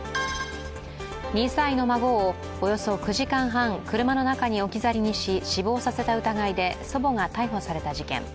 ２歳の孫をおよそ９時間半、車の中に置き去りにし、死亡させた疑いで祖母が逮捕された事件。